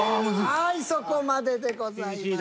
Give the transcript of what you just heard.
はいそこまででございます。